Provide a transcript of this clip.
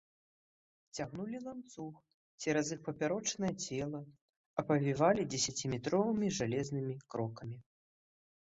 Цягнулі ланцуг цераз іх папярочнае цела, апавівалі дзесяціметровымі жалезнымі крокамі.